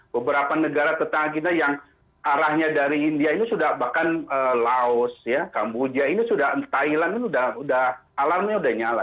beberapa negara tetangga kita yang arahnya dari india ini sudah bahkan laos kamboja thailand ini sudah alami sudah nyala